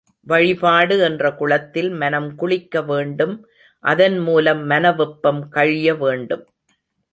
வழிபாடு என்ற குளத்தில் மனம் குளிக்க வேண்டும் அதன் மூலம் மனவெப்பம் கழிய வேண்டும்.